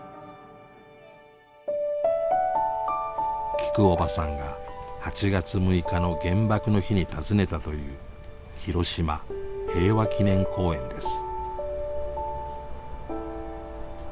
きくおばさんが８月６日の原爆の日に訪ねたという広島平和記念公園です。